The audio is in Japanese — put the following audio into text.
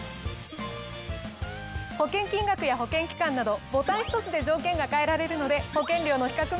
保険金額や保険期間などボタン１つで条件が変えられるので。